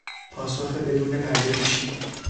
پاسخ بدون پردهپوشی